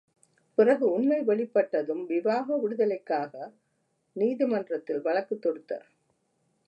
பிறகு உண்மை வெளிப்பட்டதும் விவாக விடுதலைக்காக நீதிமன்றத்தில் வழக்குத் தொடுத்தார்.